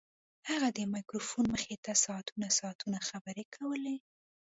هغه د مایکروفون مخې ته ساعتونه ساعتونه خبرې کولې